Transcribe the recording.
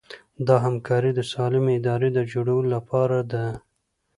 دا همکاري د سالمې ادارې د جوړولو لپاره ده.